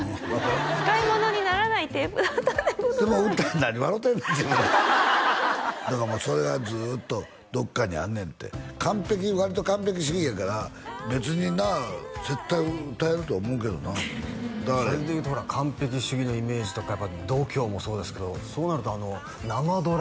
使い物にならないテープだったってこと何笑うてんねん自分だからそれがずっとどっかにあんねんて割と完璧主義やから別にな絶対歌えるとは思うけどなそれでいうと完璧主義のイメージとか度胸もそうですけどそうなるとあの「生ドラ！」